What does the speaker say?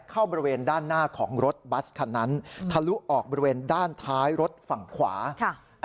บริเวณด้านหน้าของรถบัสคันนั้นทะลุออกบริเวณด้านท้ายรถฝั่งขวาค่ะ